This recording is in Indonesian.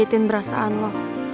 dia nyakitin perasaan lo